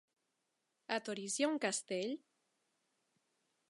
A Torís hi ha un castell?